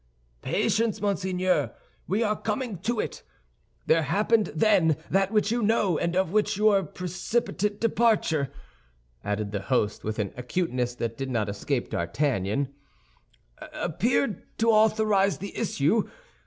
"Patience, monseigneur, we are coming to it. There happened then that which you know, and of which your precipitate departure," added the host, with an acuteness that did not escape D'Artagnan, "appeared to authorize the issue.